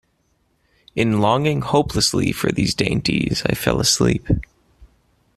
In longing hopelessly for these dainties I fell asleep.